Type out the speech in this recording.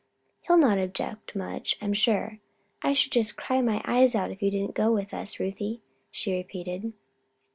He'll not object much, I'm sure. I should just cry my eyes out if you didn't go with us, Ruthie," she repeated.